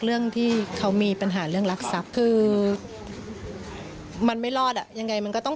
เรื่องที่เขามีปัญหาเรื่องรักทรัพย์คือมันไม่รอดอ่ะยังไงมันก็ต้อง